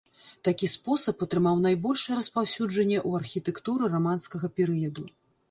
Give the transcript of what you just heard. Такі спосаб атрымаў найбольшае распаўсюджанне ў архітэктуры раманскага перыяду.